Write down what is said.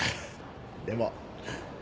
でも。